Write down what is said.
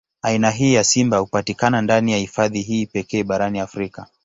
Aina hii ya simba hupatikana ndani ya hifadhi hii pekee barani Afrika.